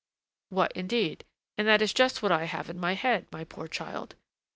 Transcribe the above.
"What, indeed; and that is just what I have in my head, my poor child!